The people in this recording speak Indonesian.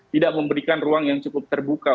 tidak memberikan ruang yang cukup terbuka